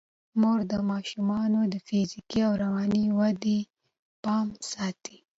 مور د ماشومانو د فزیکي او رواني ودې پام ساتي.